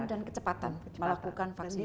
kesediaan dan kecepatan melakukan vaksinasi